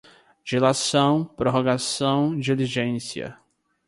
dilação, prorrogação, diligência